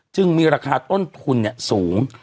จึงมีราคาต้นทุนสูง